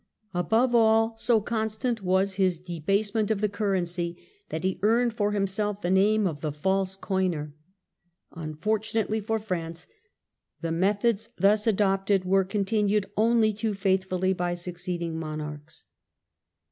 Above all, so constant was his debasement of the currency, that he earned for himself the name of the "false coiner". Unfortunately for France the methods thus adopted were continued only too faithfully by succeeding monarchs.